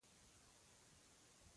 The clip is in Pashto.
حاجي فضل محمد پنهان ته سپارل شوې.